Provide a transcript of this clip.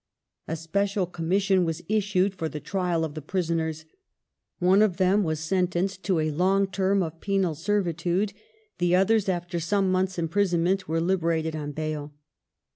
A special commission was issued for the trial of the prisoners ; one of them was sentenced to a long term of penal servitude, the others after some months' imprisonment were liberated on bail.